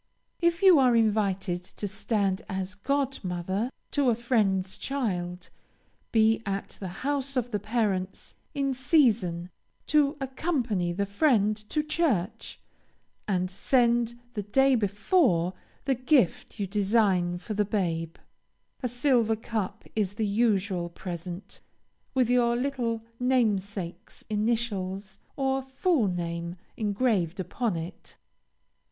If you are invited to stand as god mother to a friend's child, be at the house of the parents in season to accompany the family to church, and send, the day before, the gift you design for the babe. A silver cup is the usual present, with your little namesake's initials, or full name, engraved upon it.